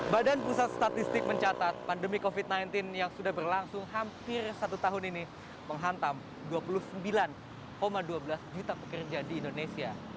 badan pusat statistik mencatat pandemi covid sembilan belas yang sudah berlangsung hampir satu tahun ini menghantam dua puluh sembilan dua belas juta pekerja di indonesia